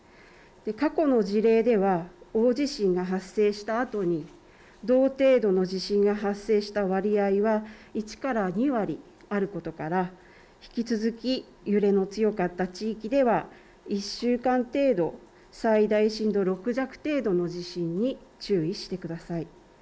過去の事例では大地震が発生したあとに同程度の地震が発生した割合は１から２割あることから引き続き揺れの強かった地域では１週間程度、最大震度６弱程度の地震に注意してください。